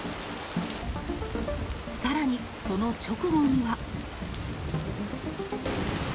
さらに、その直後には。